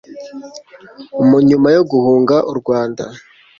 nyuma yo guhunga u Rwanda,